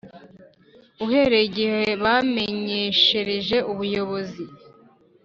uhereye igihe bamenyeshereje Ubuyobozi